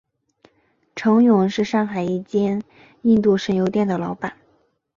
程勇是上海一间印度神油店的老板。